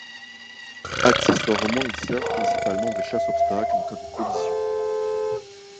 Accessoirement ils servent principalement de chasse-obstacle en cas de collision.